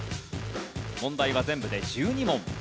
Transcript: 問題は全部で１２問。